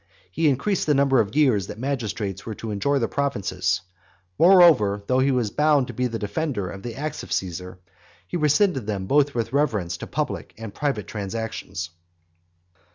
He increased the number of years that magistrates were to enjoy their provinces; moreover, though he was bound to be the defender of the acts of Caesar, he rescinded them both with reference to public and private transactions.